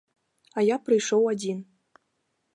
А я прыйшоў адзін.